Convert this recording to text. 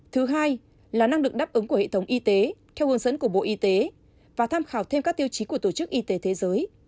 thứ hai là năng lực đáp ứng của hệ thống y tế theo hướng dẫn của bộ y tế và tham khảo thêm các tiêu chí của tổ chức y tế thế giới